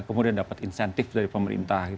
kemudian dapat insentif dari pemerintah